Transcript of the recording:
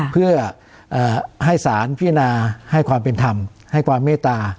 เพื่อให้สารพินาให้ความเป็นธรรมให้ความเมตตา